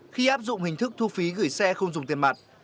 khi áp dụng hình thức thu phí gửi xe không dùng tiền mặt